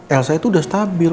elsa itu udah stabil